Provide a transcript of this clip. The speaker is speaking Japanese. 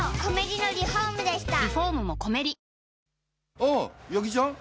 あぁ矢木ちゃん？